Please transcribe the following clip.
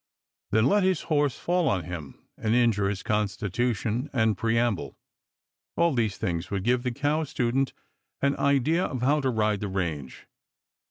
Then let his horse fall on him and injure his constitution and preamble. All these things would give the cow student an idea of how to ride the range.